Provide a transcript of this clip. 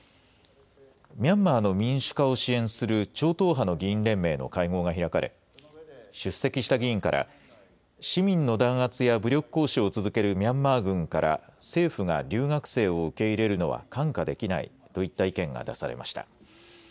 ミャンマーの民主化を支援する超党派の議員連盟の会合が開かれ、出席した議員から、市民の弾圧や武力行使を続けるミャンマー軍から、政府が留学生を受け入れるのは看過できないといった意見が出されました。